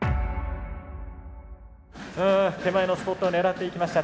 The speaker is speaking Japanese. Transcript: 手前のスポットを狙っていきました。